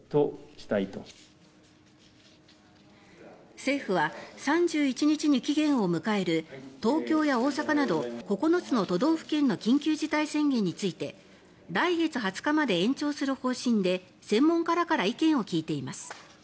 政府は３１日に期限を迎える東京や大阪など９つの都道府県の緊急事態宣言について来月２０日まで延長する方針で専門家らから意見を聞いています。